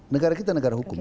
negara kita negara hukum